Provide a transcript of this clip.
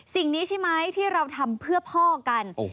สิ่งนี้ใช่ไหมที่เราทำเพื่อพ่อกัน